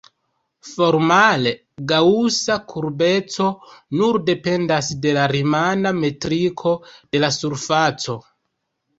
Formale, gaŭsa kurbeco nur dependas de la rimana metriko de la surfaco.